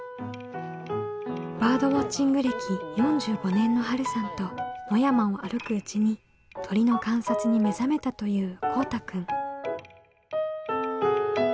バードウォッチング歴４５年のはるさんと野山を歩くうちに鳥の観察に目覚めたというこうたくん。